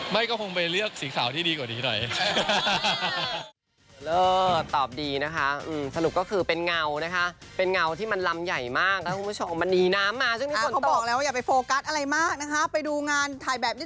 ไม่ส่งกางเกงสีขาวไม่เอาแล้วเนาะ